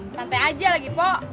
santai aja lagi pok